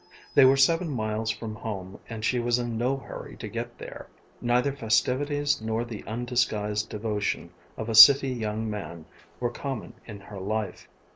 They were seven miles from home and she was in no hurry to get there. Neither festivities nor the undisguised devotion of a city young man were common in her life.